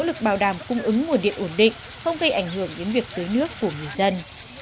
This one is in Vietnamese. nỗ lực bảo đảm cung ứng nguồn điện ổn định không gây ảnh hưởng đến việc tưới nước của người dân